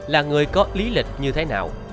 là người có lý lịch như thế nào